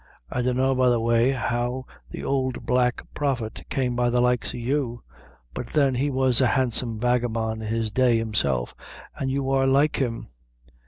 I dunna, by the way, how the ould Black Prophet came by the likes o' you; but, then he was a handsome vagabond in his day, himself, an' you are like him."